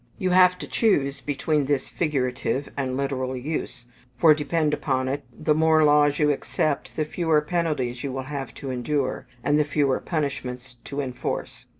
You have to choose between this figurative and literal use; for depend upon it, the more laws you accept, the fewer penalties you will have to endure, and the fewer punishments to enforce.